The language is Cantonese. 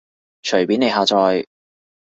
隨便你下載